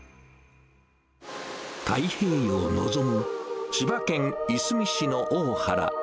太平洋を望む、千葉県いすみ市の大原。